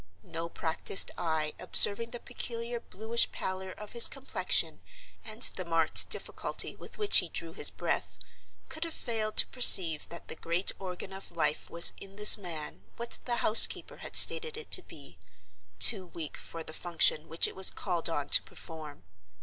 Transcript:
No practiced eye observing the peculiar bluish pallor of his complexion, and the marked difficulty with which he drew his breath, could have failed to perceive that the great organ of life was in this man, what the housekeeper had stated it to be, too weak for the function which it was called on to perform.